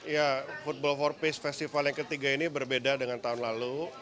ya football for peace festival yang ketiga ini berbeda dengan tahun lalu